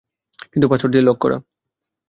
কিন্তু পাসওয়ার্ড দিয়ে লক করা।